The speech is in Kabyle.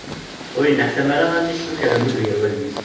Ur yenneḥtam ara alammi i as-tuker lmut gar wallen-is.